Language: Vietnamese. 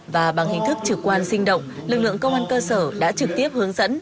và bằng hình thức trực quan sinh động lực lượng công an cơ sở đã trực tiếp hướng dẫn